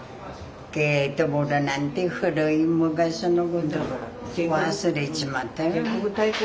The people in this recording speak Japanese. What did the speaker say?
ゲートボールなんて古い昔のこと忘れちまったよ。